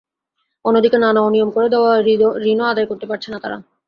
অন্যদিকে নানা অনিয়ম করে দেওয়া ঋণও আদায় করতে পারছে না তারা।